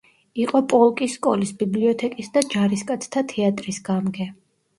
იყო პოლკის სკოლის ბიბლიოთეკის და ჯარისკაცთა თეატრის გამგე.